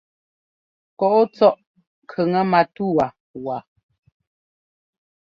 Kɔ́ɔ tsɔ́ʼ kʉŋɛ matúwa waa.